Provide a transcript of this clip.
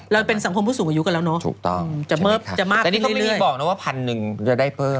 เราเป็นสังคมผู้สูงอายุกันแล้วเนอะจะเมิบจะมากขึ้นเรื่อยถ้าไม่มีบอกนะว่า๑๐๐๐จะได้เพิ่ม